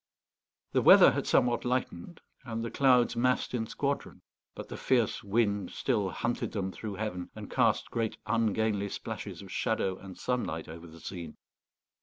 The weather had somewhat lightened, and the clouds massed in squadron; but the fierce wind still hunted them through heaven, and cast great ungainly splashes of shadow and sunlight over the scene.